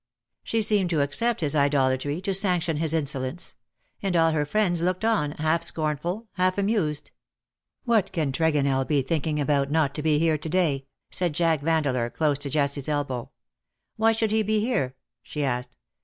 She seemed to accept his idolatry, to sanction his insolence ; and all her friends looked on, half scornful, half amused. " What can Tregonell be thinking about not to be here to day T' said Jack Vandeleur, close to Jessie's elbow. " Why should he be here T' she asked.